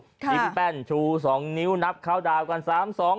ยิ้มแป้นชู๒นิ้วนับเข้าดาวกัน๓๒